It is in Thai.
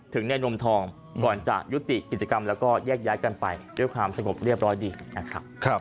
ในนมทองก่อนจะยุติกิจกรรมแล้วก็แยกย้ายกันไปด้วยความสงบเรียบร้อยดีนะครับ